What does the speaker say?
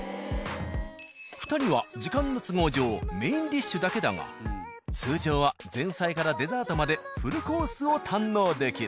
２人は時間の都合上メインディッシュだけだが通常は前菜からデザートまでフルコースを堪能できる。